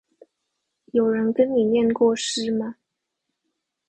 有人跟你唸過詩嗎